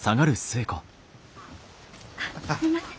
あっすみません。